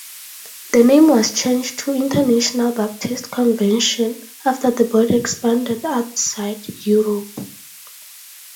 The name was changed to International Baptist Convention after the body expanded outside Europe.